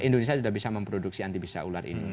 indonesia sudah bisa memproduksi anti bisa ular ini